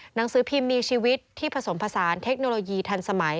หนังสือพิมพ์มีชีวิตที่ผสมผสานเทคโนโลยีทันสมัย